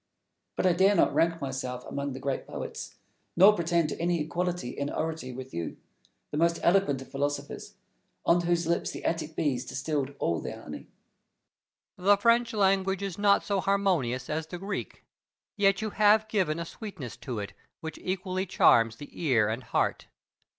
But I dare not rank myself among the great poets, nor pretend to any equality in oratory with you, the most eloquent of philosophers, on whose lips the Attic bees distilled all their honey. Plato. The French language is not so harmonious as the Greek, yet you have given a sweetness to it which equally charms the ear and heart.